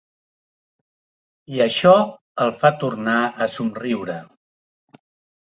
I això el fa tornar a somriure.